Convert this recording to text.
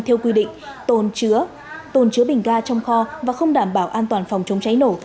theo quy định tồn chứa bình ga trong kho và không đảm bảo an toàn phòng chống cháy nổ